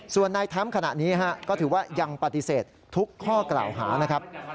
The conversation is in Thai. ส่วนในทั้งขณะนี้ก็ถือว่ายังปฏิเสธทุกข้อกล่าวหา